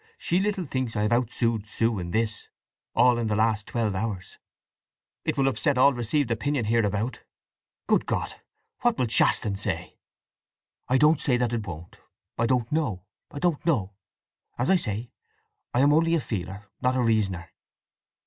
She little thinks I have out Sued Sue in this—all in the last twelve hours!" "It will upset all received opinion hereabout. Good God—what will Shaston say!" "I don't say that it won't. I don't know—I don't know! … As I say, I am only a feeler, not a reasoner."